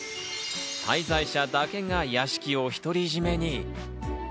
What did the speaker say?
滞在者だけが屋敷をひとりじめに。